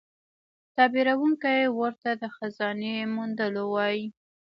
تعبیرونکی ورته د خزانې موندلو وايي.